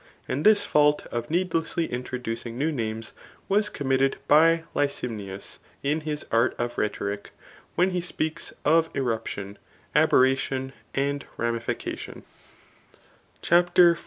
And this fault of needlessly introducing new names was committed by Lycimnius in his Art of Rhe toric, when he speaks of irruption, aberration, and ranufi * cation* CHAPTER XIV.